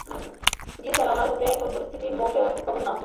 জ্বি, স্যার, আমার মতে পরিস্থিতি মোটেও সুখকর নয়।